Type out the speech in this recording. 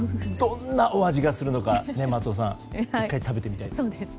どんなお味がするのか松尾さん、１回食べてみたいですね。